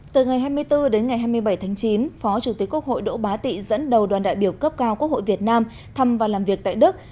từ ngày hai mươi bốn đến ngày hai mươi bảy tháng chín phó chủ tịch quốc hội đỗ bá tị dẫn đầu đoàn đại biểu cấp cao quốc hội việt nam thăm và làm việc tại đức